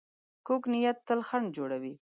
کوږ نیت تل خنډ جوړوي